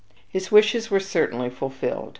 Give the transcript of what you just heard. His wishes were certainly fulfilled.